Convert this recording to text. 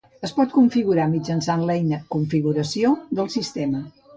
Es pot configurar mitjançant l'eina Configuració del sistema.